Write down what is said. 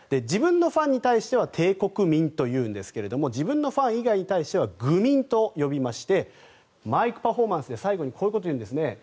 自分のファンに対しては帝国民というんですが自分のファン以外には愚民と呼びましてマイクパフォーマンスで最後にこういうことを言うんですね。